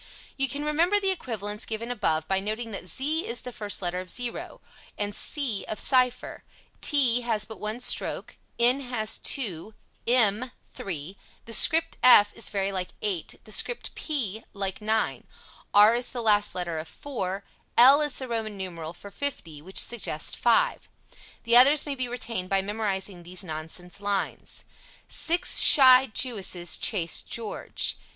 You can remember the equivalents given above by noting that z is the first letter of "zero," and c of "cipher," t has but one stroke, n has two, m three; the script f is very like 8; the script p like 9; r is the last letter of "four;" l is the Roman numeral for 50, which suggests 5. The others may be retained by memorizing these nonsense lines: Six shy Jewesses chase George.